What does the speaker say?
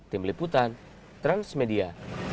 tim liputan transmedia